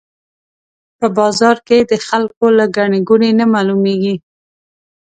په بازار کې د خلکو له ګڼې ګوڼې نه معلومېږي.